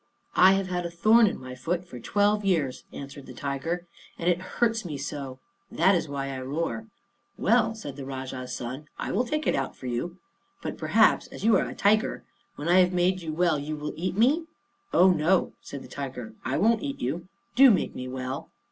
"I have had a thorn in my foot for twelve years," answered the tiger, "and it hurts me so; that is why I roar." "Well," said the Rajah's son, "I will take it out for you. But perhaps, as you are a tiger, when I have made you well, you will eat me?" "Oh no," said the tiger, "I won't eat you. Do make me well."